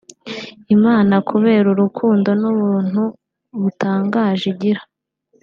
“Imana kubera urukundo n’ubuntu butangaje igira